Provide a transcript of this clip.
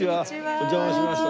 お邪魔しました。